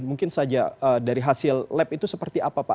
mungkin saja dari hasil lab itu seperti apa pak